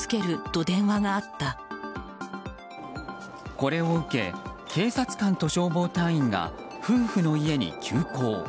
これを受け警察官と消防隊員が夫婦の家に急行。